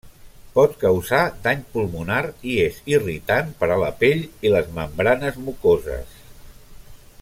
Pot causar dany pulmonar i és irritant per a la pell i les membranes mucoses.